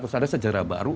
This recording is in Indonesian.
terus ada sejarah baru